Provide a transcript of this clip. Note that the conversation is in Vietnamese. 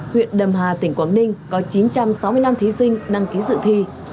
huyện đầm hà tỉnh quảng ninh có chín trăm sáu mươi năm thí sinh năng ký sự thi